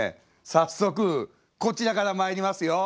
早速こちらからまいりますよ。